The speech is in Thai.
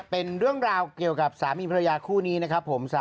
เป็นเรื่องราวเกี่ยวกับสามีภรรยาคู่นี้นะครับผม